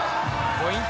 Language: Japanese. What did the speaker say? ポイント